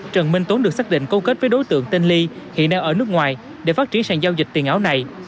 trần minh tuấn được xác định câu kết với đối tượng tên ly hiện đang ở nước ngoài để phát triển sàn giao dịch tiền ảo này